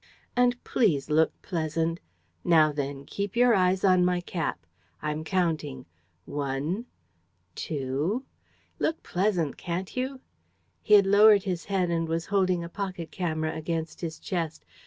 And please look pleasant. Now then; keep your eyes on my cap. ... I'm counting: one ... two ... Look pleasant, can't you?" He had lowered his head and was holding a pocket camera against his chest.